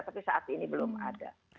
tapi saat ini belum ada